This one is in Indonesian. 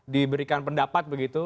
diberikan pendapat begitu